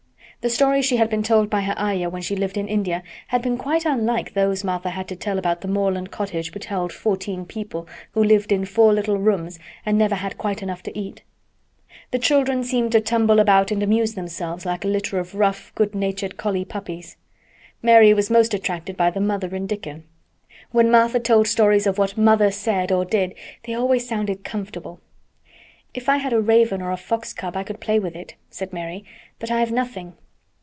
The stories she had been told by her Ayah when she lived in India had been quite unlike those Martha had to tell about the moorland cottage which held fourteen people who lived in four little rooms and never had quite enough to eat. The children seemed to tumble about and amuse themselves like a litter of rough, good natured collie puppies. Mary was most attracted by the mother and Dickon. When Martha told stories of what "mother" said or did they always sounded comfortable. "If I had a raven or a fox cub I could play with it," said Mary. "But I have nothing."